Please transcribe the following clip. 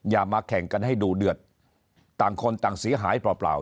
อย่ามาแข่งกันให้ดูเดือดต่างคนต่างเสียหายเปล่า